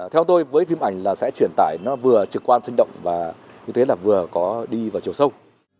theo tôi với phim ảnh là sẽ truyền tải nó vừa trực quan sinh động và như thế là vừa có đi vào chiều sâu